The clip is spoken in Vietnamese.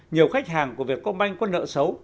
nhiều khách hàng của việt công banh có nợ xấu